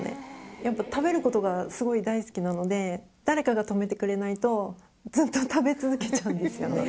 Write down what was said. やっぱ、食べることがすごい大好きなので、誰かが止めてくれないと、ずっと食べ続けちゃうんですよね。